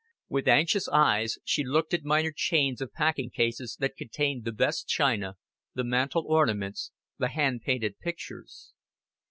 With anxious eyes she looked at minor chains of packing cases that contained the best china, the mantel ornaments, the hand painted pictures.